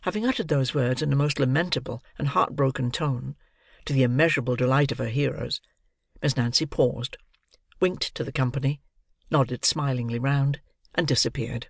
Having uttered those words in a most lamentable and heart broken tone: to the immeasurable delight of her hearers: Miss Nancy paused, winked to the company, nodded smilingly round, and disappeared.